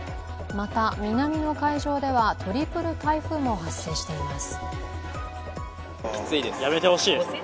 また南の海上ではトリプル台風も発生しています。